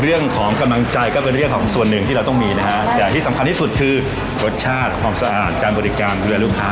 เรื่องของกำลังใจก็เป็นเรื่องของส่วนหนึ่งที่เราต้องมีนะฮะแต่ที่สำคัญที่สุดคือรสชาติความสะอาดการบริการเรือลูกค้า